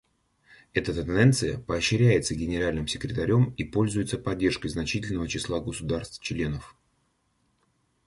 Эта тенденция поощряется Генеральным секретарем и пользуется поддержкой значительного числа государств-членов.